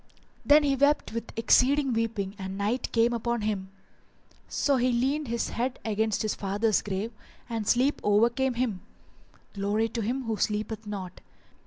Then he wept with exceeding weeping and night came upon him; so he leant his head against his father's grave and sleep overcame him: Glory to him who sleepeth not!